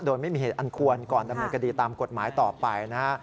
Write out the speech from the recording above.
โดยไม่มีเหตุอันควรก่อนดำเนินคดีตามกฎหมายต่อไปนะฮะ